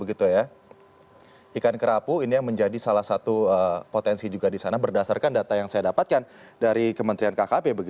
ikan kerapu ini yang menjadi salah satu potensi juga di sana berdasarkan data yang saya dapatkan dari kementerian kkp